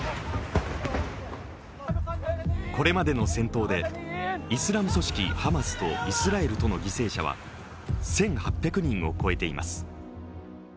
これまでの戦闘でイスラム組織ハマスとイスラエルとの犠牲者は１８００人を超えています。